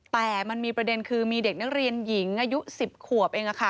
แต่มันมีประเด็นคือมีเด็กนักเรียนหญิงอายุ๑๐ขวบเอง